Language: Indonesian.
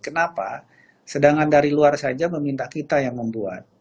kenapa sedangkan dari luar saja meminta kita yang membuat